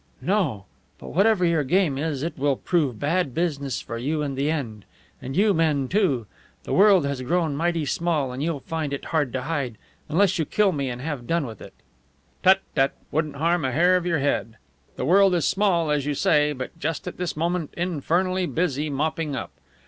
"No! But whatever your game is, it will prove bad business for you in the end. And you men, too. The world has grown mighty small, and you'll find it hard to hide unless you kill me and have done with it!" "Tut, tut! Wouldn't harm a hair of your head. The world is small, as you say, but just at this moment infernally busy mopping up.